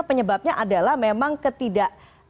penyebabnya adalah memang ketidak